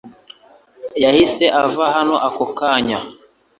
Yahise ava hano ako kanya .